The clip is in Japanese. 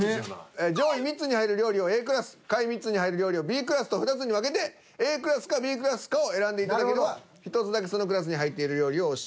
上位３つに入る料理をＡクラス下位３つに入る料理をＢクラスと２つに分けてＡクラスかＢクラスかを選んでいただければ１つだけそのクラスに入っている料理をお教えします。